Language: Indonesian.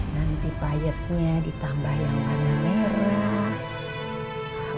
nanti payetnya ditambah yang warna merah